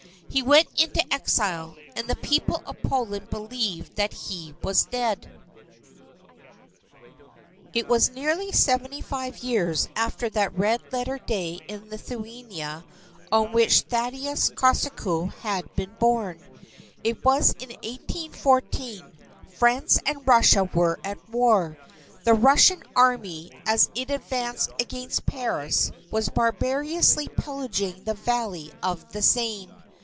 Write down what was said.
He went into exile, and the people of Poland believed that he was dead. It was nearly seventy five years after that red letter day in Lithuania, on which Thaddeus Kosciuszko had been born. It was in 1814, France and Russia were at war. The Russian Army, as it advanced against Paris, was barbarously pillaging the valley of the Seine.